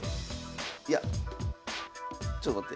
いやちょっと待って。